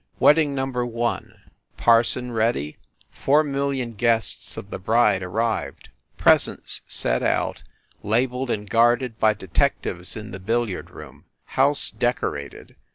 Wedding Number One : Parson ready, four mil lion guests of the bride arrived, presents set out, la beled and guarded by detectives in the billiard room. House decorated.